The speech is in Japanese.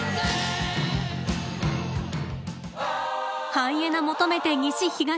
ハイエナ求めて西、東。